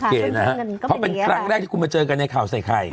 เพราะเป็นครั้งแรกที่คุณมาเจอกันในข่าวใส่ไข่